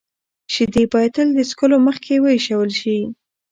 شیدې باید تل د څښلو مخکې ویشول شي.